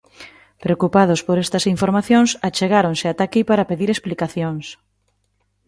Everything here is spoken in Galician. Preocupados por estas informacións achegáronse ata aquí para pedir explicacións.